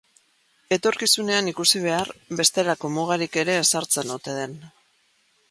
Etorkizunean ikusi behar, bestelako mugarik ere ezartzen ote den.